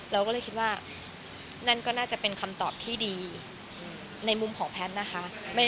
เราก็เลยคิดว่านั่นก็น่าจะเป็นคำตอบที่ดีในมุมของแพทย์นะคะ